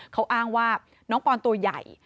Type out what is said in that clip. เขาอ้างว่าน้องปอนตัวใหญ่